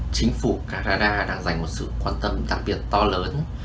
chính phủ canada đang dành một sự quan tâm đặc biệt to lớn